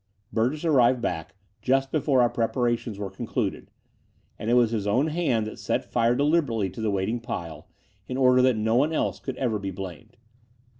Burgess arrived back just before our prepara tions were concluded; and it was his own hand that set fire deliberately to the waiting pile, in order that no one else could ever be blamed.